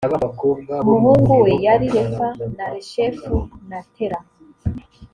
umuhungu we yari refa na reshefu na tela